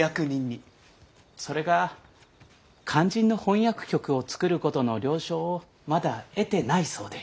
それが肝心の翻訳局を作ることの了承をまだ得てないそうで。